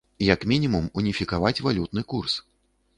Як мінімум уніфікаваць валютны курс.